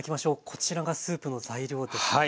こちらがスープの材料ですね。